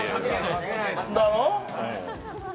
だろ？